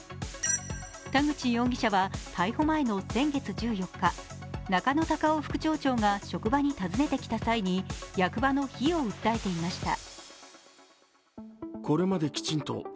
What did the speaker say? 田口容疑者は逮捕前の先月１４日、中野貴夫副町長が職場に訪ねてきた際に役場の非を訴えていました。